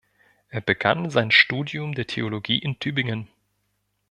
Er begann sein Studium der Theologie in Tübingen.